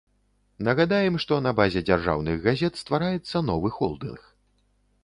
Нагадаем, што на базе дзяржаўных газет ствараецца новы холдынг.